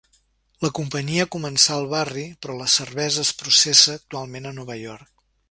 La companyia començà al barri, però la cervesa es processa actualment a Nova York.